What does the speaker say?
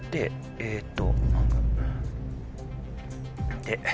えっと。